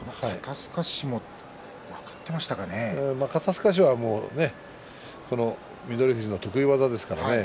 肩すかしは翠富士の得意技ですから。